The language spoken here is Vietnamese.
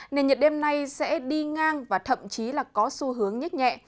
nền nhiệt đêm nay sẽ đi ngang và thậm chí là có xu hướng nhích nhẹ